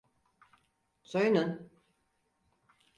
Soyunun!